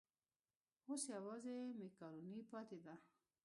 اوس یوازې مېکاروني پاتې ده.